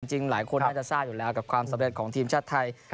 จริงหลายคนน่าจะทราบอยู่แล้วกับความสำเร็จของทีมชาติไทย